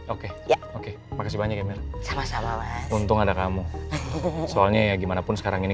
oke oke makasih banyak ya mir sama sama lah untung ada kamu soalnya ya gimanapun sekarang ini